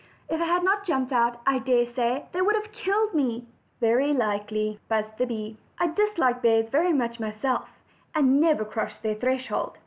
If I had not jumped out, I dare say they would have killed me." "Very likely," buzzed the bee; "I dislike bears very much myself, and never cross their threshold.